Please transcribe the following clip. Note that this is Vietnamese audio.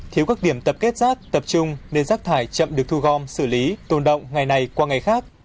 thiếu các điểm tập kết rác tập trung nên rác thải chậm được thu gom xử lý tồn động ngày này qua ngày khác